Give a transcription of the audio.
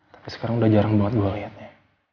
tapi sekarang udah jarang banget gue liatnya